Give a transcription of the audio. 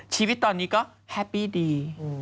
ชีวิตตอนนี้ก็แฮปปี้ดี